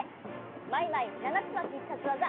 マイマイ７つのひっさつわざ